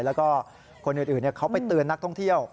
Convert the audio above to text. แล้วก็คนอื่นเขาไปเตือนนักท่องเที่ยว